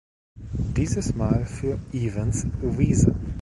Dieses Mal für Evans Wise.